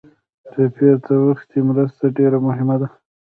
ټپي ته وختي مرسته ډېره مهمه ده.